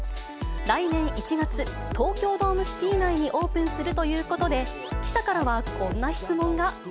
来年１月、東京ドームシティ内にオープンするということで、記者からはこんな質問が。